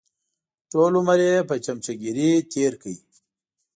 ټول عمر یې په چمچهګیري تېر کړ.